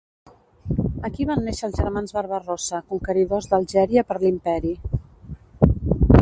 Aquí van néixer els germans Barba-rossa conqueridors d'Algèria per l'Imperi.